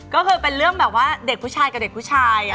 ก็คือเป็นเรื่องแบบว่าเด็กผู้ชายกับเด็กผู้ชาย